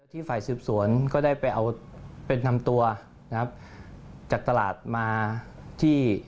ฝ่ายสืบสวนก็ได้ไปเอาเป็นนำตัวนะครับจากตลาดมาที่